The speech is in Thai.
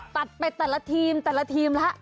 ตัดไปแต่ละทีมแต่ละทีมแล้ว